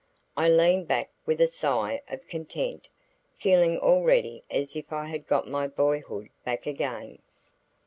I leaned back with a sigh of content, feeling already as if I had got my boyhood back again.